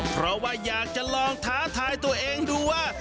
เพราะว่าอยากจะลองท้าทายตัวเองดูว่า